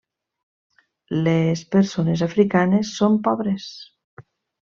Les persones africanes són pobres.